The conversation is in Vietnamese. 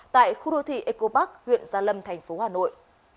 tại khu đô thị eco park huyện gia lâm thành phố hà nội